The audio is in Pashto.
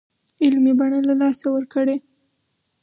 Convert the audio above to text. علمي بڼه له لاسه ورکړې.